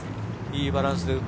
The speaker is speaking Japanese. いいバランスですよ。